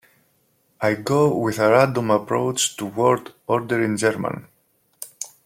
I go with a random approach to word order in German.